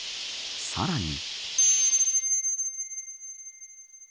さらに。